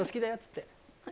って。